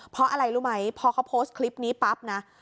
เพราะอะไรรู้ไหมพอเขาโพสต์คลิปนี้ปั๊บนะ